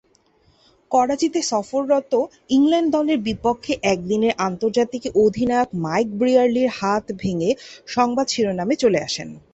করাচিতে সফররত ইংল্যান্ড দলের বিপক্ষে একদিনের আন্তর্জাতিকে অধিনায়ক মাইক ব্রিয়ারলি’র হাত ভেঙ্গে সংবাদ শিরোনামে চলে আসেন।